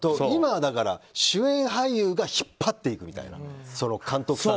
今はだから、主演俳優が引っ張っていくみたいな。